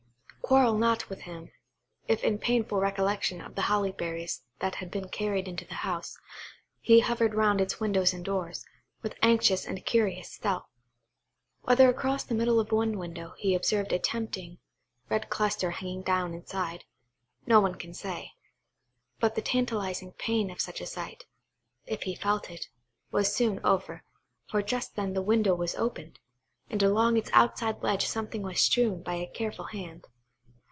Quarrel not with him, if in painful recollection of the holly berries that had been carried into the house, he hovered round its windows and doors, with anxious and curious stealth. Whether across the middle of one window he observed a tempting red cluster hanging down inside, no one can say. But the tantalising pain of such a sight, if he felt it, was soon over, for just then the window was opened, and along its outside ledge something was strewn by a careful hand.